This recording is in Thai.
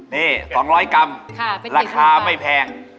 นี่๒๐๐กรัมราคาไม่แพง